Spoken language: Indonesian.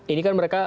ini kan mereka